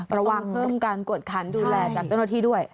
ระวังเพิ่มการกวดขันดูแลจากเจ้าหน้าที่ด้วย